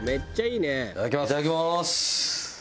いただきます。